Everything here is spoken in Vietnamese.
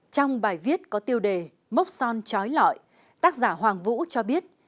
trong bài viết có tiêu đề mốc son trói lọi tác giả hoàng vũ cho biết